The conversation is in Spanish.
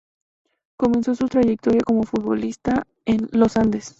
Comenzó su trayectoria como futbolista en Los Andes.